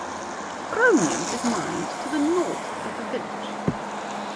Chromium is mined to the north of the village.